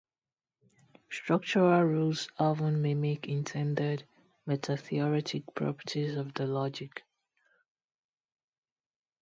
Structural rules often mimic intended meta-theoretic properties of the logic.